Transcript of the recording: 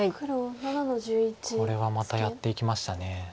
これはまたやっていきました。